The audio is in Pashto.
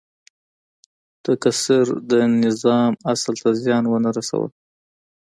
تکثیر د نظام اصل ته زیان ونه رسول.